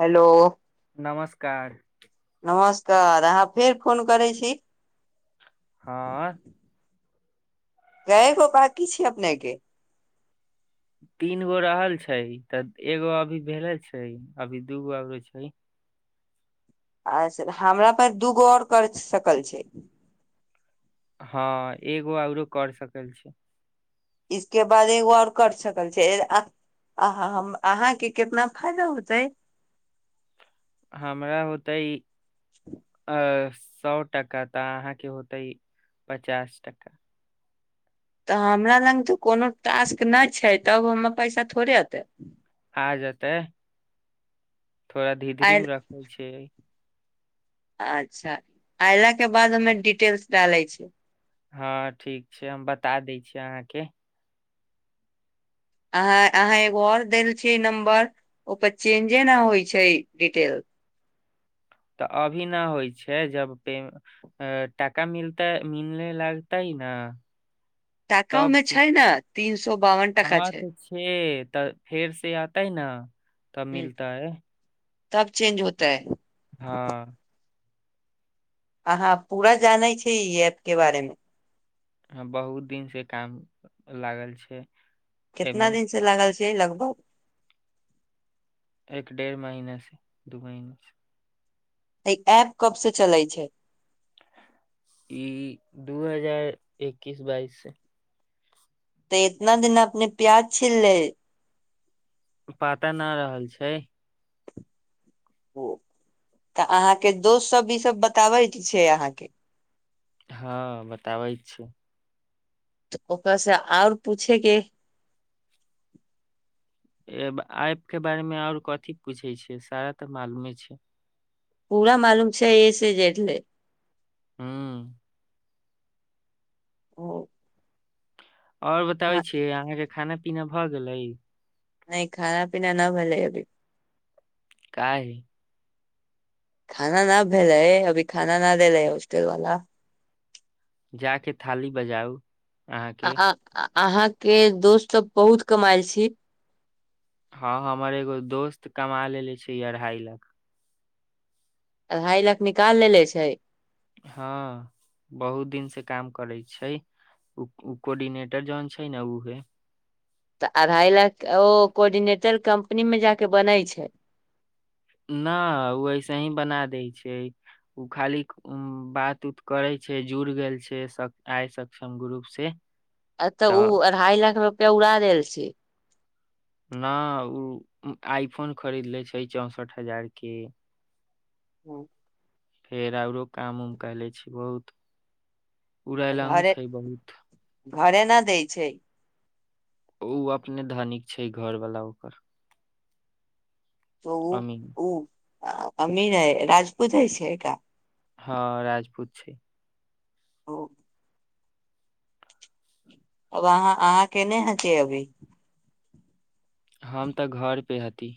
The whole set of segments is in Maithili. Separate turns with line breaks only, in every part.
हेलो
नमस्कार
नमस्कार अहाँ फेर फोन करै छी
हँ
कय गो बाकी छै अपने के
तीन गो रहल छै तऽ एगो अभी भेले छै अभी दूगो आरो छै
अच्छह हमरा पास दूगो आओर कर सकल छै
हँ एगो आरो कर सकल छी
इसके बाद एगो आओर कर सकल छै आहाँ हम अहाँके कितना फायदा होते
हमरा होतै अ सौ टका तऽ अहाँके होते पचास टका
तऽ हमरा लग तऽ कोनो टास्क नहि छै तब हम पैसा थोड़े अतै
आ जेतै थोड़ा धी
आयल
धीरिम रखे छियै
अच्छा अऐला के बाद हमे डिटेल्स डाले छै
हँ ठीक छै हम बता दै छी अहाँके
अहाँ अहाँ एगो आऔर देल छी नंम्बर ओपे चेंजे न होई छै डिटेल
तऽ अभी न होइ छै जब पे अ टाका मिलतै मिलने लागतइ न
टाका ओमे छै ने तीन सौ बावन टाका
हँ
छै
तऽ छै तऽ फेर से आतै ने तब
ह
मिलतै
तब चेंज होताै
हँ
अहाँ पूरा जानै छिये ई ऐप के बारे मे
हँ बहुत दिन से काम लागल छै
कितना
एमे
दिन से लागल छै लगभग
एक डेढ़ महना से दू महीने से
त ई ऐप कब से चलै छै
ई दू हजार एकैस बाइस से
तऽ इतना दिन अपने प्याज छिलले
पता न रहल छै
ओ तऽ अहाँके दोस्त सब ई सब बताबै छै अहाँके
हँ बताबै छै
तऽ ओकरा से आओर पूछे के
एब ऐप के बारे मे और कथी पूछे छै सारा त मालूमे छै
पूरा मालूम छै ए से जेड लेय
हुँ
ओ [inaudible]
ओर बताबै छीय अहाँके खाना पीना भ गेलै
नहि खाना पीना न भेले अभी
काहे
खाना ना भेलै अभी खाना ना देेले हॉस्टल वाला
जा के थाली बजाउ अहाँके
आ आ अहाँ के दोस्त सब बहुत कमाायल छी
हँ हमर एगो दोस्त कमा लेलेे छी अढ़ाई लाख
अढ़ाई लाख निकाल लेलेे छै
हँ बहुत दिन से काम करै छै ओ कोर्डिनेटर जौन छै ने उहे
त अढ़ाई लाख ओ कोर्डिनेटर कम्पनी में जाके बनै छै
न ओ ऐसे ही बना दै छै उ खाली उ बात उत करे छै जुड़ गेल छै आइ सक्षम ग्रुप से [inaudible]
अ त ओ
तऽ
अढ़ाई लाख रुपआ उड़ा देल छी
न ओ आई फोन खरीदले छै चौंसठ हजार के
ह [inaudible]
फेर औरो काम उम क ले छी बहुत उड़लहु
घरे
छै बहुत
घरे न दै छै
उ अपने धनिक छै घरवाला ओकर
त उ
अमीन
उ अमीर है राजपूत है छै का
हँ राजपूत छै
ओ वहाँ अहाँ केने ह त अभी
हम त घरपे हती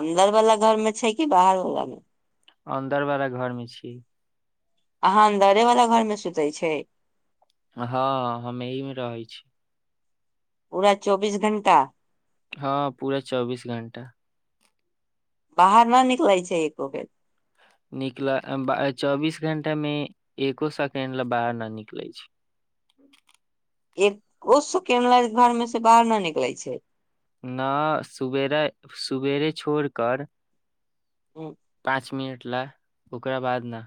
अन्दर वाला घर में छै कि बाहर वाला मे
अन्दर वाला घर में छी
अहाँ अन्दरे वाला घर में सुतै छै
हँ हम एहि मे रहै छी
पूरा चौबीस घण्टा
हँ पूरा चौबीस घण्टा
बाहर न निकलै छै एको बेर
निकल चौबीस घंटा में एको सेकेंड ले बाहर न निकले छै
एक ओ सेकेंड ल घर में से बाहर न निकलै छै
न सुबेर सुवेरे छोड़ कर
ओ [inaudible] [inaudible]
पाँच मिनट ला ओकरा बाद न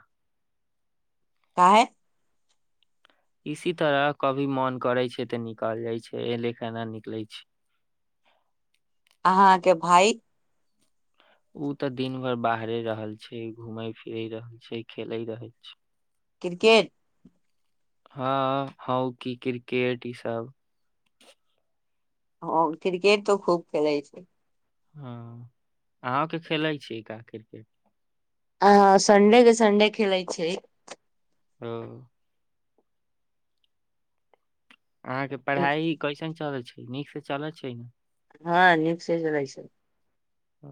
काहे
इसी तरह कभी मन करे छै ते निकल जाय छै एले केे न निकले छै
अहाँके भाई
ओ त दिन भर बाहरे रहल छै घूमे फिरे रहल छै खेले रहल छै
क्रिकेट
हँ हॉकी क्रिकेट ई सब
हा क्रिकेट तऽ खूब खेलै छै
हा अहके खेलैत छी का क्रिकेट
आ संडे के संडे खेलैत छै
ओ अहाँ के पढ़ाई कैसन चलैत छै नीक से चलैत छै ने
हँ नीक से जनै छै
ओ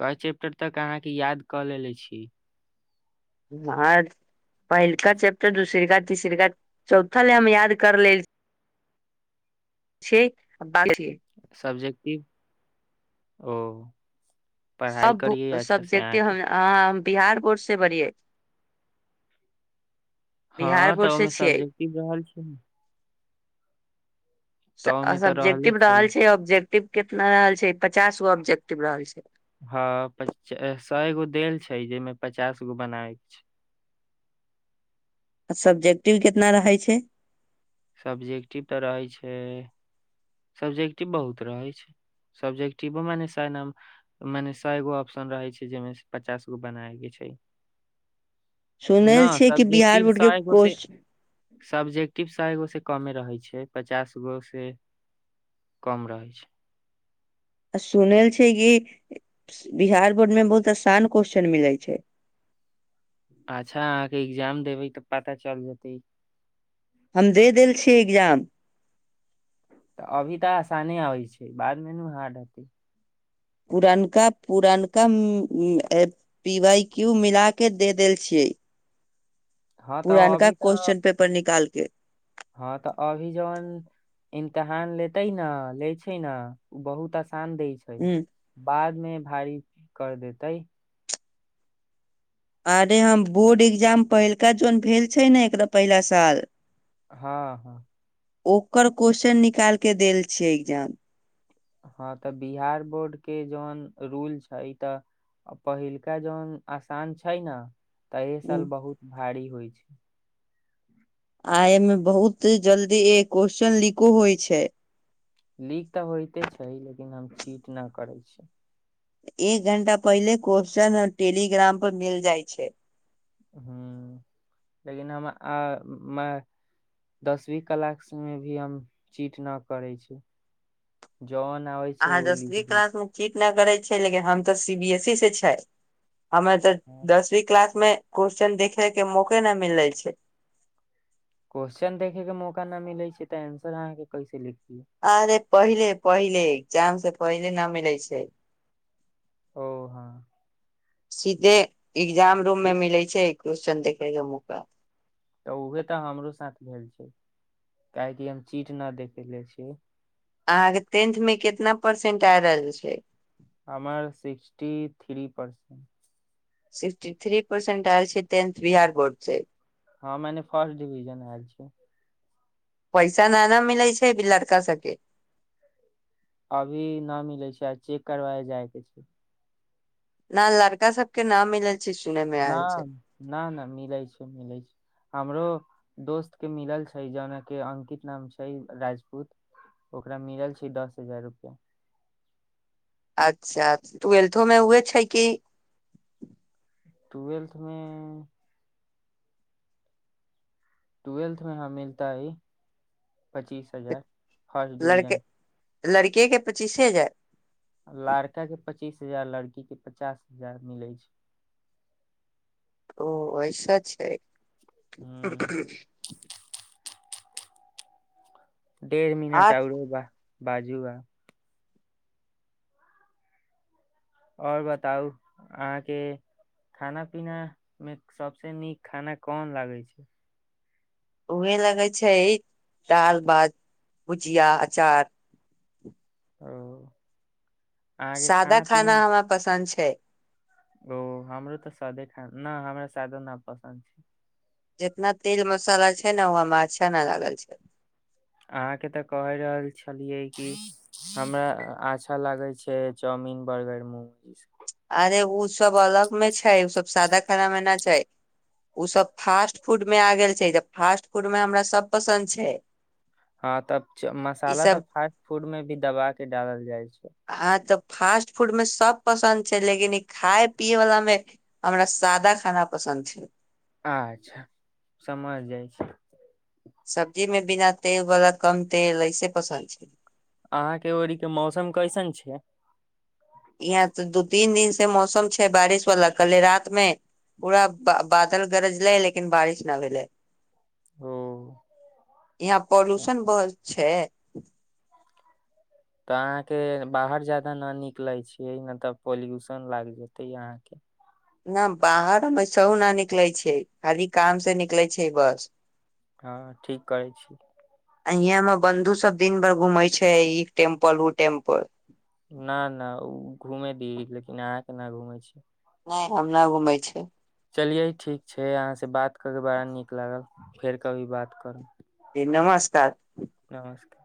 कहे छै तब तक अहाँ के याद कऽ लेेले छी
हँ पहिलका चैप्टर दूसर का तीसर का चौथा ले हम याद कर लेल छे बालके
सब्जेक्टिव ओ पढ़ाई करीयै अच्छा से अहाँ के
हँ हँ हम बिहार बोर्ड से बरियै बिहार
हँ तऽ
बोर्ड से
ओहिमे
छियै
सबजेक्टिव रहल छै तऽ ओहिमे तऽ रहले
सब्जेक्टिव रहल छै ऑब्जेक्टिव कितना रहल छै पचास गो ऑब्जेक्टिव रहल छै
हँ पच सएगो देल छै जेहिमे पचास गो बनाबे के छै
सब्जेक्टिव कितना रहैय छै
सब्जेक्टिव तऽ रहैय छै सब्जेक्टिव बहुत रहै छै सब्जेक्टिव माने सैय नम्बर मने सए एगो ऑप्शन रहे छै जेहिमे से पचास गो बनाबैय के छै ना
सुनल छियै कि बिहार
सब्जेक्टिव
बोर्ड
सै
के
गो से
कोश
सब्जेक्टिव सै गो से कमे रहै छै पचास गो से कम रहै छै
आ सुनल छै कि बिहार बोर्ड में बहुत आसान क्वेश्चन मिलै छै
अच्छा अहाँ के एग्जाम देबै तऽ पता चल जेतै
हम दे देल छियै एग्जाम
अभी तऽ आसाने अबै छै बाद मे नू हार्ड हतै
पुरनका पुरनका पी वाय क्यू मिला कऽ दे देल छिये
हँ तऽ
पुरनका
अभी तऽ
क्वेश्चन पेपर निकाल के
हँ तऽ अभी जवन इमतहान लेते ने लेय छै नऽ बहुत आसान दय छै
ह
बाद मे भारी कर देतै
अरे हम बोर्ड एग्जाम पहिलका जोन भेल छै न एकदम पहिला साल
हाँ हाँ
ओकर क्वेश्चन निकाल के देल छियै एग्जाम
हँ तऽ बिहार बोर्ड के जौवन रूल छै तऽ आ पहिलका जौन आसान छै ना तऽ एहि साल
हम्म,
बहुत भारी होई छै
आ एय मे बहुत जल्दी ए क्वेेश्चन लिको होई छै
लीक तऽ होइते छै लेकिन हम चीट ना करै छी
एक घंटा पहिले क्वेश्चन टेलीग्राम पर मिल जाई छै
हुँ लेकिन हम आ मय दसवी क्लास मे भी हम चीट नऽ करै छी जवन आबै छै
अहाँ
उऽ
दसवीं
लिख दे
क्लास मे चीट ना करै छै लेकिन हम तऽ सी बी एस ई स छै हमरा तऽ
छै
दसवी क्लास मे क्वेश्चन देखे के मौके ना मिले छै
क्वेश्चन देखे के मौका ना मिलै छै तऽ आंसर अहाँ के कैसे लिखियै
अरे पहिले पहिले एग्जाम से पहिले ना मिलै छै
ओ हँ
सीधे एग्जाम रूम मे मिलै छै क्वेेश्चन देखे के मौका
तऽ उहे तऽ हमरो साथ भेल छै काहेकि हम चीट ना देखेले छीए
आहाँ के तेन्थ मे कितना परसेंट आ रहल छै
हमर sixty three percent
sixty three percent आयल छै टेन्थ बिहार बोर्ड से
हँ माने फर्स्ट डीभिजन आलय छै
पैसा न ना मिलै छै अभि लड़का सबके
अभी न मिले छै आ चेक करबाबे जाय कऽ छै
न लड़का सबके ना मिल
न नहि नहि मिलै छै मिलै छै हमरो दोस्त के मिलल छै जेना के अंकित नाम छै राजपूत ओकरा मिलल छै दस हजार रुपआ
अच्छा ट्वेल्थो मे उएह छै कि
ट्वेल्थ मे ट्वेल्थ में ह मिलताइ है पच्चीस हजार फर्स्ट
लड़के
डिविजन
लड़के के पचीसे हजार
लड़का के पच्चीस हजार लड़की के पचास हजार मिलै छै
ओ ऐसा छै
ह डढ़
आ
मिनट आरो बा बाजू आ आओर बताउ अहाँके खाना पीनामे सबसँ नीक खाना कोन लागै छै
उहे लगे छै दाल भात भुजिया अचार
ओ अहाँके
सादा
पीना
खाना हमरा पसन्द छै
ओ हमरो तऽ सादे खा नहि हमरा सादो न पसन्द छै
जेतना तेल मसाला छै ने ओ में अच्छा न लागल छै
अहाँ के तऽ कहे रहल छलियै कि हमरा अच्छा लागे छै चाउमिन बर्गर मोमोज
अरे ओ सब अलग में छै ओ सब सादा खाना मे ना छै ओ सब फास्ट फूड में आ गेल छै तऽ फास्ट फूड में हमरा सब पसन्द छै
हँ तब
ई
मसाला तऽ
सब
फास्ट फूड में भी दबा के डालल जाय छै
हा तऽ फास्ट फूड में सब पसन्द छै लेकिन ई खाय पिये वलाा मे हमरा सादा खाना पसन्द छै
अच्छा समझ जाइ छी
सब्जी मे बिना तेल बला कम तेल ऐसे पसन्द छै
अहाँके ओड़ीक के मौसम कैसन छै
यहाँ तऽ दू तीन दिन से मौसम छै बारिश वाला कले रात मे पूरा बादल गरजले लेकिन बारिश ना भेले
ओ
यहाँ पोल्यूशन बहुत छै
तऽ अहाँ के बाहर जादा न निकले छीियै ने तऽ पोल्यूशन लाग जेते अहाँ के
न बाहरो मे एसहु न निकलै छै खाली काम से निकलै छै बस
हँ ठीक करै छी
आ यहं में बन्धु सब दिन भर घूमे छै ई टेम्पल उ टेम्पल
न न ओ घूमे दी लेकिन अहाँके न घूमे छी
नहि हम नहि घूमै छी
चलियै ठीक छै अहाँसँ बात कऽ क बड़ा नीक लागल फेर कभी बात करू
जी नमस्कार
नमस्कार